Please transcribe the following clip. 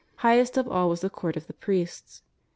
Highest of all was the Court of the Priests.